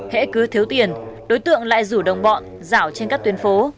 hẽ cứ thiếu tiền đối tượng lại rủ đồng bọn rảo trên các tuyến phố